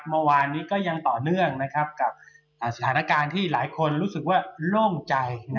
เมื่อวานนี้ก็ยังต่อเนื่องกับสถานการณ์ที่หลายคนรู้สึกว่าโล่งใจ